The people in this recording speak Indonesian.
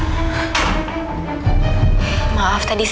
saya mau beritahu ibu